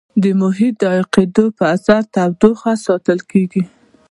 د محیط د عایق کېدو په اثر تودوخه ساتل کیږي.